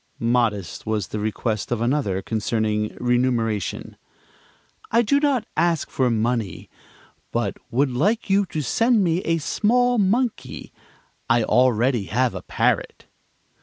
Modest was the request of another, concerning remuneration: "I do not ask for money, but would like you to send me a small monkey. I already have a parrot."